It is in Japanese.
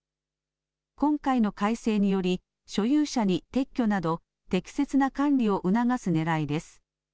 今回の改正により、所有者に撤去など、適切な管理を促すねらいです。